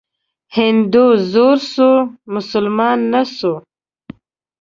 هندو زوړ سو ، مسلمان نه سو.